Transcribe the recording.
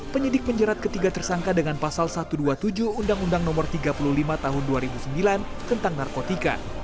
penyidik menjerat ketiga tersangka dengan pasal satu ratus dua puluh tujuh undang undang no tiga puluh lima tahun dua ribu sembilan tentang narkotika